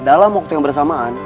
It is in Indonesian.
dalam waktu yang bersamaan